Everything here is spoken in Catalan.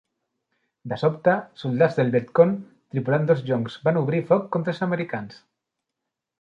De sobte, soldats del Viet Cong tripulant dos joncs van obrir foc contra els americans.